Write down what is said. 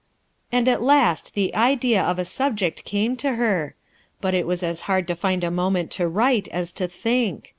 And at last the idea of a subject came to her! But it was as hard to find a moment to write as to think.